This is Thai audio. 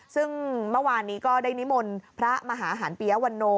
ซึ่งเมื่อวานนี้ก็ได้นิมนต์พระมหาหันปียวันโน